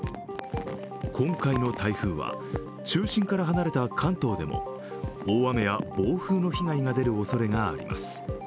今回の台風は、中心から離れた関東でも大雨や暴風の被害が出るおそれがあります。